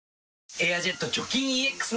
「エアジェット除菌ＥＸ」